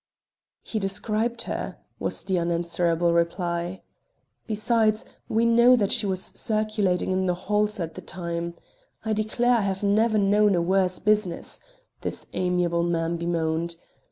"He described her," was the unanswerable reply. "Besides, we know that she was circulating in the halls at that time. I declare I have never known a worse business," this amiable man bemoaned.